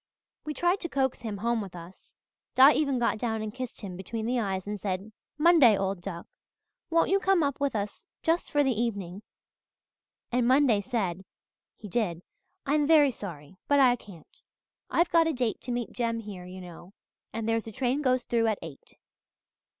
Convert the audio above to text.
"We tried to coax him home with us Di even got down and kissed him between the eyes and said, 'Monday, old duck, won't you come up with us just for the evening?' And Monday said he did! 'I am very sorry but I can't. I've got a date to meet Jem here, you know, and there's a train goes through at eight.'